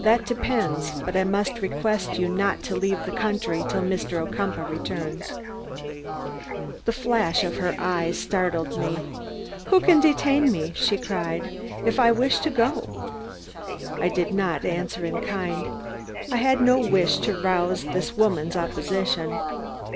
"That depends. But I must request you not to leave the country till Mr. Ocumpaugh returns." The flash of her eye startled me. "Who can detain me," she cried, "if I wish to go?" I did not answer in kind. I had no wish to rouse this woman's opposition.